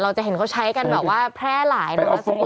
จะเห็นเขาใช้กันแบบว่าแพร่หลายนะคะ